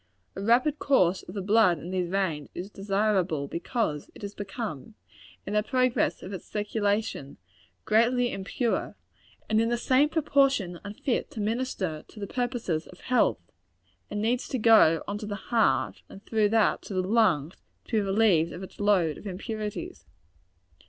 A rapid course of the blood in these veins, is desirable, because it has become, in the progress of its circulation, greatly impure, and in the same proportion unfit to minister to the purposes of health and needs to go on to the heart, and through that to the lungs, to be relieved of its load of impurities.